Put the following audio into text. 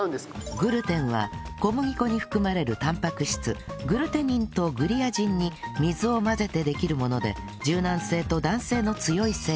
グルテンは小麦粉に含まれるタンパク質グルテニンとグリアジンに水を混ぜてできるもので柔軟性と弾性の強い成分